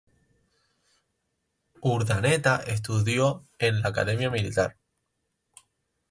Urdaneta estudió en la Academia Militar.